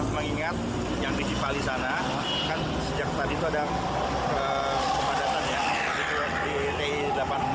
mengingat yang di cipali sana kan sejak tadi itu ada kepadatan ya